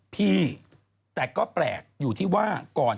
พี่แต่ก็แปลกอยู่ที่ว่าก่อน